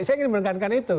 saya ingin menekankan itu